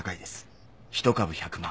１株１００万。